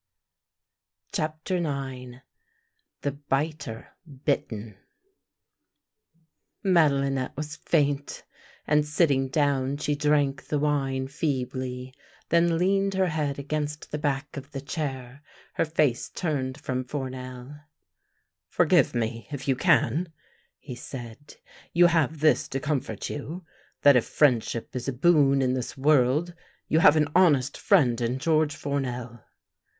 CHAPTER IX THE BITER BITTEN MADELINETTE was faint, and, sitting down, she drank the wine feebly, then leaned her head against the back of the chair, her face turned from Fournel. " Forgive me, if you can," he said. " You have this to comfort you, that if friendship is a boon in this world you have an honest friend in George Fournel."